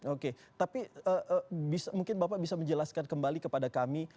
oke tapi mungkin bapak bisa menjelaskan kembali kepada kami